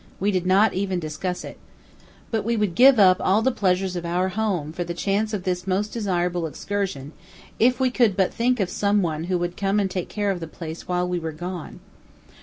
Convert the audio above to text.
We did not even discuss it. But we would give up all the pleasures of our home for the chance of this most desirable excursion, if we could but think of some one who would come and take care of the place while we were gone.